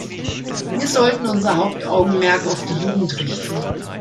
Wir sollten unser Hauptaugenmerk auf die Jugend richten.